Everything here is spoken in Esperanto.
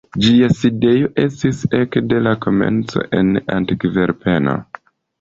Ĝia sidejo estis ekde la komenco en Antverpeno.